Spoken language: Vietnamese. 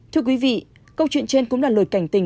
thưa quý vị câu chuyện trên cũng là lời cảnh tình